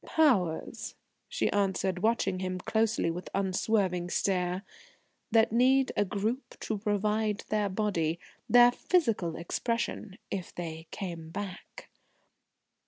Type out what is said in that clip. "Powers," she answered, watching him closely with unswerving stare, "that need a group to provide their body their physical expression if they came back."